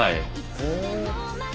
へえ。